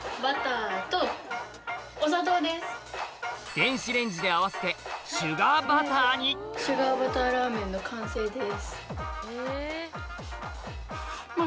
電子レンジで合わせてシュガーバターラーメンの完成です。